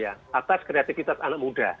atas kreativitas anak muda